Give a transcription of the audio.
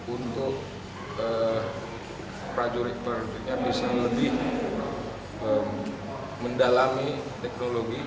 untuk prajurit prajuritnya bisa lebih mendalami teknologi